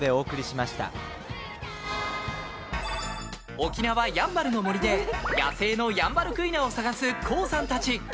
沖縄やんばるの森で野生のヤンバルクイナを探すＫＯＯさんたち。